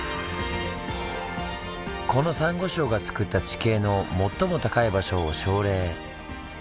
このサンゴ礁がつくった地形の最も高い場所を「礁嶺」